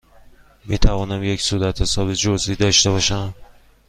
می توانم یک صورتحساب جزئی داشته باشم؟